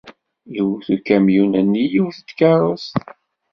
Iwet ukamyun-nni yiwet n tkeṛṛust.